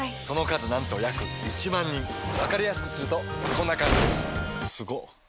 その数なんと約１万人わかりやすくするとこんな感じすごっ！